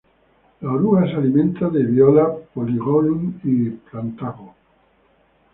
La oruga se alimenta de "Viola", "Polygonum" y "Plantago".